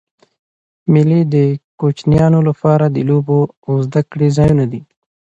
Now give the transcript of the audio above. مېلې د کوچنيانو له پاره د لوبو او زدهکړي ځایونه دي.